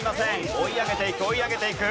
追い上げていく追い上げていく。